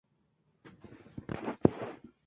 En el teatro logró reconocimiento al interpretar a Mrs.